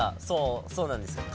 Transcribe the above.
そうそうなんです。